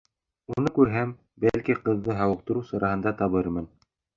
Уны күрһәм, бәлки, ҡыҙҙы һауыҡтырыу сараһын да табырмын.